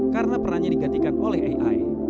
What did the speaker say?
karena perannya digantikan oleh ai